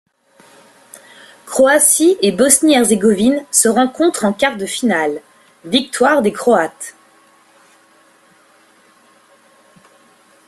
Croatie et Bosnie-Herzégovine se rencontrent en quarts de finale, victoire des Croates.